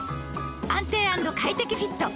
「安定＆快適フィット」